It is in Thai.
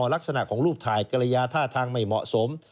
ลักษณะของรูปถ่ายกรยาท่าทางไม่เหมาะสม